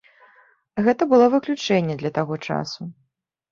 Гэта было выключэнне для таго часу.